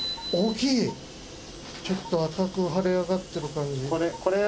ちょっと赤く腫れ上がってる感じ